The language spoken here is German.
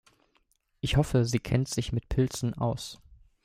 Ich hoffe, sie kennt sich mit Pilzen aus.